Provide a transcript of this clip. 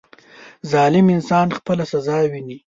• ظالم انسان خپله سزا ویني.